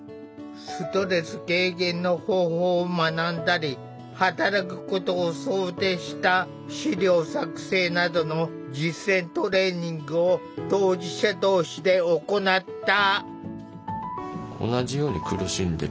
ストレス軽減の方法を学んだり働くことを想定した資料作成などの実践トレーニングを当事者同士で行った。